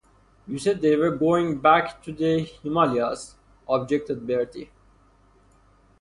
"You said they were going back to the Himalayas," objected Bertie.